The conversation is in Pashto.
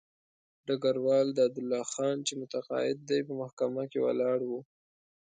ډګروال دادالله خان چې متقاعد دی په محکمه کې ولاړ وو.